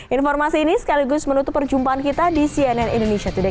informasi ini sekaligus menutup perjumpaan kita di cnn indonesia today